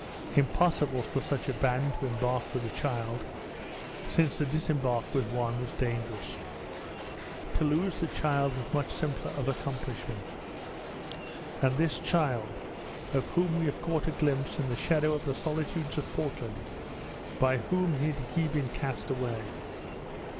Impossible for such a band to embark with a child, since to disembark with one was dangerous. To lose the child was much simpler of accomplishment. And this child, of whom we have caught a glimpse in the shadow of the solitudes of Portland, by whom had he been cast away?